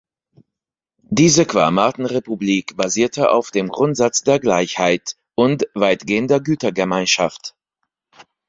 Diese „Qarmaten-Republik“ basierte auf dem Grundsatz der Gleichheit und weitgehender Gütergemeinschaft.